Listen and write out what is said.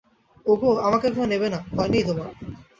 ওগো, আমাকে কেউ নেবে না, ভয় নেই তোমার।